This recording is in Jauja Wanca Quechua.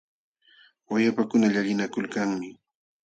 Wayapakuna llallinakulkanmi.